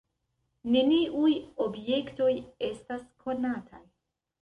Neniuj objektoj estas konataj.